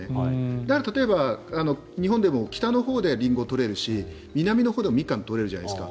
だから例えば日本でも北のほうではリンゴが取れるし南のほうではミカンが取れるじゃないですか。